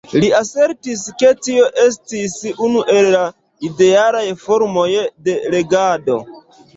Li asertis, ke tio estis unu el la idealaj formoj de regado.